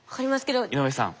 井上さん